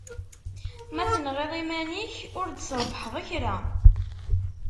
Ma tenɣiḍ iman-ik, ur d-trebbḥeḍ kra.